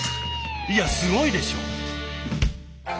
いやすごいでしょ！